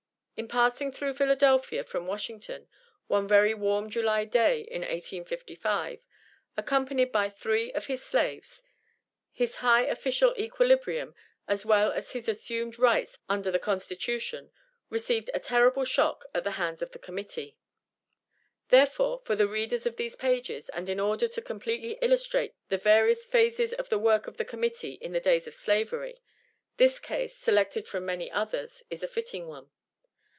In passing through Philadelphia from Washington, one very warm July day in 1855, accompanied by three of his slaves, his high official equilibrium, as well as his assumed rights under the Constitution, received a terrible shock at the hands of the Committee. Therefore, for the readers of these pages, and in order to completely illustrate the various phases of the work of the Committee in the days of Slavery, this case, selected from many others, is a fitting one.